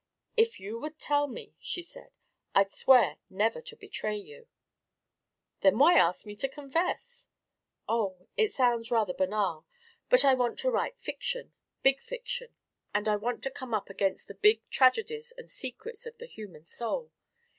"If you would tell me," she said, "I'd swear never to betray you." "Then why ask me to confess?" "Oh it sounds rather banal but I want to write fiction, big fiction, and I want to come up against the big tragedies and secrets of the human soul.